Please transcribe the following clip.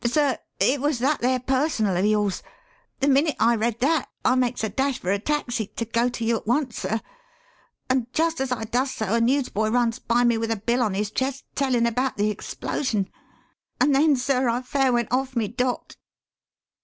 Sir, it was that there Personal of yours. The minnit I read that, I makes a dash for a taxi, to go to you at once, sir, and jist as I does so, a newsboy runs by me with a bill on his chest tellin' about the explosion; and then, sir, I fair went off me dot."